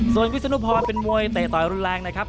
ส่วนวิศนุพรเป็นมวยเตะต่อยรุนแรงนะครับ